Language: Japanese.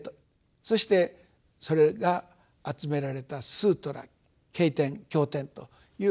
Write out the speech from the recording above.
そしてそれが集められた「スートラ」経典経典という形で「妙法蓮華経」と。